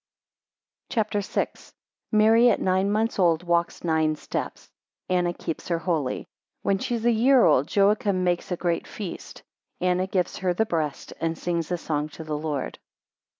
CHAPTER VI. 1 Mary at nine months old, walks nine steps. 3 Anna keeps her holy. 4 When she is a year old, Joachim makes a great feast. 7 Anna gives her the breast, and sings a song to the Lord.